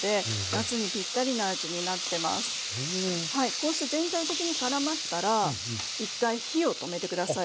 こうして全体的にからまったら１回火を止めて下さい。